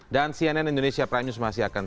dan cnn indonesia prime news masih akan